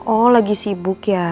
oh lagi sibuk ya